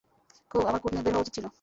খুব, আমার কোট নিয়ে বের হওয়া উচিত ছিল।